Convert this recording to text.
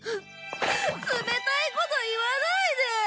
冷たいこと言わないで！